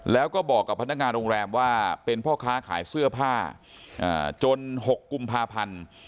แล้วก็บอกกับพนักงานโรงแรมว่าเป็นพ่อค้าขายเสื้อผ้าจน๖กุมภาพันธ์